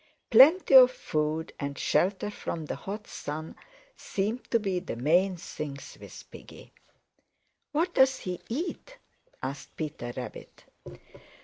Plenty of food and shelter from the hot sun seem to be the main things with Piggy." "What does he eat?" asked Peter Rabbit.